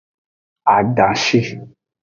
Adashi.